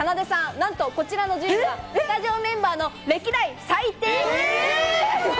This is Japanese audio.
なんとこちらの順位はスタジオメンバーの歴代最低です。